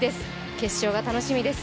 決勝が楽しみです。